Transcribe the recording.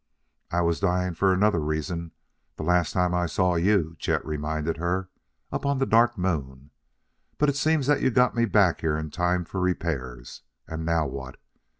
"I was dying for another reason the last time I saw you," Chet reminded her, " up on the Dark Moon. But it seems that you got me back here in time for repairs. And now what?"